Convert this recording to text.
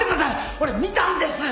俺見たんですよ。